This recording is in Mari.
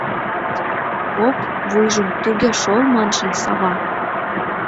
Поп вуйжым «туге шол» маншын сава.